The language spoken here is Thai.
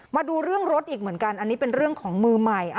มาดูเรื่องรถอีกเหมือนกันอันนี้เป็นเรื่องของมือใหม่